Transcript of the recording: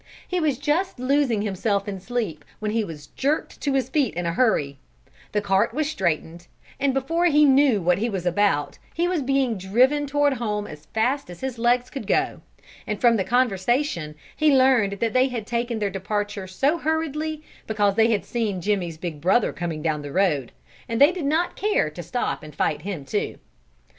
He was just losing himself in sleep, when he was jerked to his feet in a hurry; the cart was straightened; and before he knew what he was about, he was being driven toward home as fast as his legs could go, and from the conversation he learned that they had taken their departure so hurriedly because they had seen Jimmy's big brother coming down the road, and they did not care to stop and fight him too.